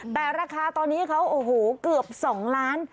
แต่ราคาตอนนี้เขาเกือบสองล้าน